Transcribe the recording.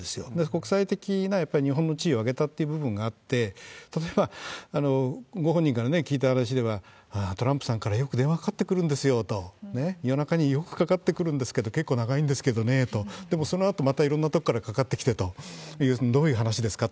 国際的な、やっぱり日本の地位を上げたっていう部分があって、例えば、ご本人から聞いた話では、ああー、トランプさんからよく電話かかってくるんですよ、夜中によくかかってくるんですけど、結構長いんですけれどもねと、でもそのあとまたいろんなところからかかってきてという、どういう話ですか？